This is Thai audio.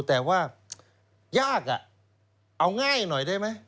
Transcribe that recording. แต่ว่ายากเอาง่ายหน่อยได้ไหม